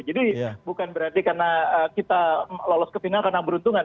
jadi bukan berarti karena kita lolos ke final karena beruntungan